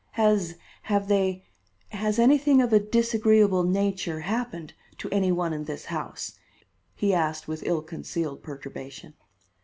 "Has have they has anything of a disagreeable nature happened to any one in this house?" he asked with ill concealed perturbation.